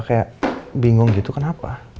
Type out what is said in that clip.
kayak bingung gitu kenapa